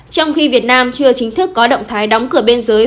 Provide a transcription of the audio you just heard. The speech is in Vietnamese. trong khi việt nam chưa chính thức có động thái đóng cửa bên dưới